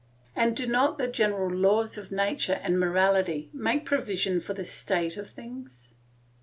And to not the general laws of nature and morality make provision for this state of things?